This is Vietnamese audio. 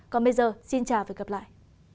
còn bây giờ xin chào và gặp lại